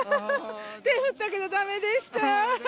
手を振ったけどだめでした。